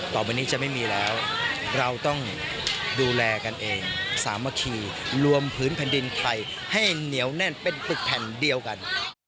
ต่อไปนี้จะไม่มีแล้วเราต้องดูแลกันเองสามัคคีรวมพื้นแผ่นดินไทยให้เหนียวแน่นเป็นตึกแผ่นเดียวกัน